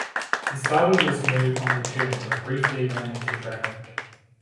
He started his move on the turn but briefly ran into traffic.